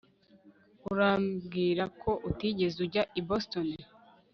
Urambwira ko utigeze ujya i Boston